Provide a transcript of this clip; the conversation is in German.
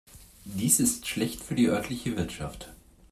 Dies ist schlecht für die örtliche Wirtschaft.